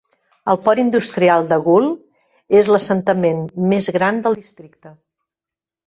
El port industrial de Goole és l'assentament més gran del districte.